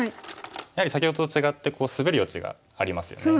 やはり先ほどと違ってここスベる余地がありますよね。